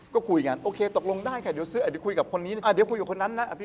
ก็คุยกันเดี๋ยวคุยกับคนนั้นนะ